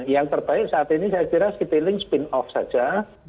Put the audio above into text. yang terbaik saat ini saya kira citylink spin off saja